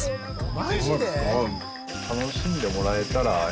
マジで？